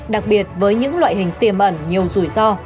đặc biệt với những loại hình tiềm ẩn nhiều rủi ro